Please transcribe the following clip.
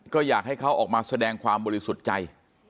ก็อยากให้เขาออกมาแสดงความบริสุทธิ์ใจ